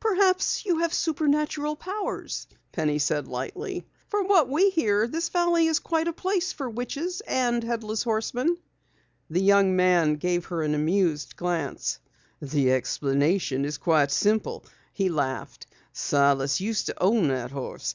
"Perhaps you have supernatural powers," Penny said lightly. "From what we hear, this valley is quite a place for witches and Headless Horsemen." The young man gave her an amused glance. "The explanation is quite simple," he laughed. "Silas used to own that horse.